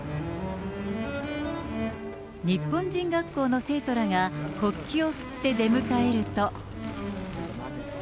日本人学校の生徒らが国旗を振って出迎えると。